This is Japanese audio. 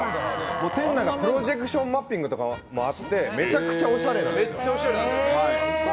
店内がプロジェクションマッピングとかもあって、めちゃくちゃおしゃれな。